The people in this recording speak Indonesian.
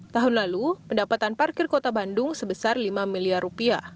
tahun lalu pendapatan parkir kota bandung sebesar rp lima miliar rupiah